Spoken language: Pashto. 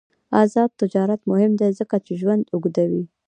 آزاد تجارت مهم دی ځکه چې ژوند اوږدوي.